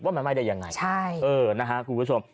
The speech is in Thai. ว่ามันไม่ได้ยังไงคุณผู้ชม